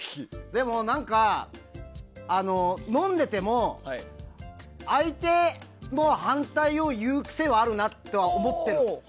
でも、飲んでても相手の反対を言う癖はあるなとは思ってる。